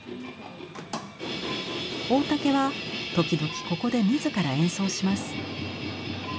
大竹は時々ここで自ら演奏します。